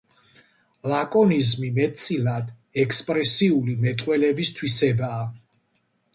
ლაკონიზმი მეტწილად ექსპრესიული მეტყველების თვისებაა.